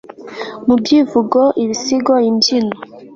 mu byivugo, ibisigo, imbyino